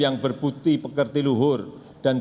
dan jika kita negatif bukan oudhan